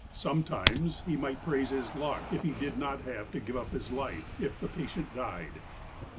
Sometimes he might praise his luck if he did not have to give up his life, if the patient died.